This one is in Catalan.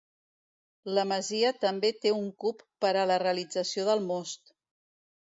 La masia també té un cub per a la realització del most.